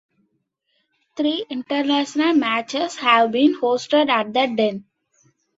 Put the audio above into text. Three international matches have been hosted at The Den.